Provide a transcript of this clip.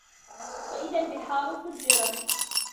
وَإِذَا البِحارُ فُجِّرَت